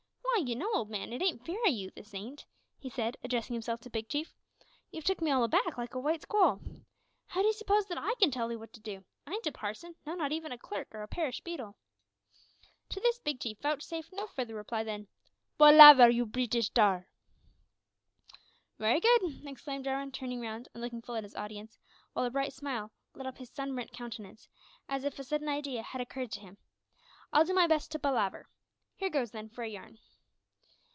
"W'y, you know, old man, it ain't fair of you, this ain't," he said, addressing himself to Big Chief; "you've took me all aback, like a white squall. How d'ee s'pose that I can tell 'ee wot to do? I ain't a parson no, not even a clerk, or a parish beadle!" To this Big Chief vouchsafed no further reply than "Palaver, you Breetish tar!" "Wery good," exclaimed Jarwin, turning round, and looking full at his audience, while a bright smile lit up his sunburnt countenance, as if a sudden idea had occurred to him, "I'll do my best to palaver. Here goes, then, for a yarn."